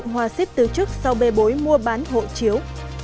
cộng hòa xếp từ chức sau bê bối mua bán hộ chiếu